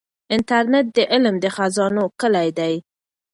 انټرنیټ د علم د خزانو کلي ده.